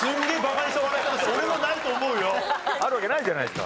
あるわけないじゃないですか。